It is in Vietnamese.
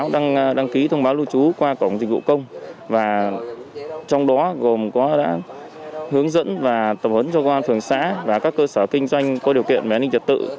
đăng ký thông báo lưu trú qua cổng dịch vụ công và trong đó gồm có đã hướng dẫn và tập huấn cho công an thường xã và các cơ sở kinh doanh có điều kiện về an ninh trật tự